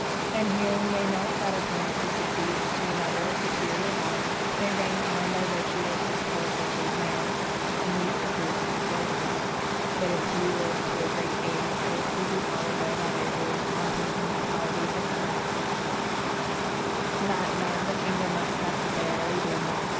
And here we may note that a prince who succeeds to another of superior valour, may reign on by virtue of his predecessor's merits, and reap the fruits of his labours; but if he live to a great age, or if he be followed by another who is wanting in the qualities of the first, that then the kingdom must necessarily dwindle.